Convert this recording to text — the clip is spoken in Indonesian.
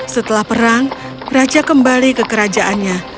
setelah perang raja kembali ke kerajaannya